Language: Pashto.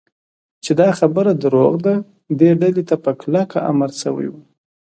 چې دا خبره دروغ ده، دې ډلې ته په کلکه امر شوی و.